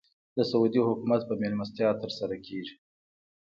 د سعودي حکومت په مېلمستیا تر سره کېږي.